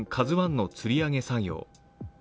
「ＫＡＺＵⅠ」のつり上げ作業。